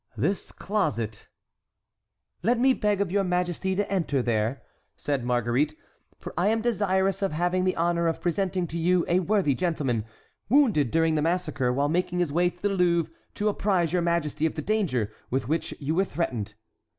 This closet"— "Let me beg of your majesty to enter there," said Marguerite; "for I am desirous of having the honor of presenting to you a worthy gentleman, wounded during the massacre while making his way to the Louvre to apprise your majesty of the danger with which you were threatened."